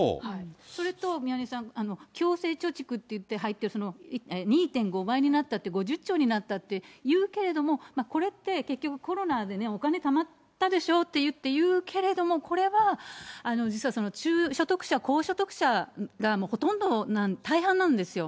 それと宮根さん、強制貯蓄っていって入って、２．５倍になったって、５０兆になったっていうけれども、これって、結局コロナでね、お金たまったでしょっていうけれども、これは実はその中所得者、高所得者がほとんど、大半なんですよ。